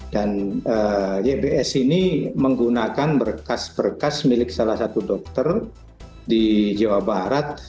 dan ybs ini menggunakan berkas berkas milik salah satu dokter di jawa barat